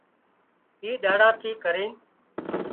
اي ۮاڙا ٿِي ڪرينَ